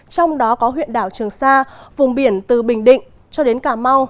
trong đó có huyện đảo trường sa vùng biển từ bình định cho đến cà mau